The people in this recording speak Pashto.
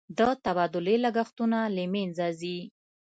د تبادلې لګښتونه له مینځه ځي.